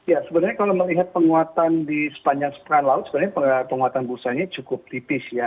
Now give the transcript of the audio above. ya sebenarnya kalau melihat penguatan di sepanjang laut sebenarnya penguatan bursanya cukup tipis ya